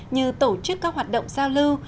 như tổ chức các hoạt động giao lưu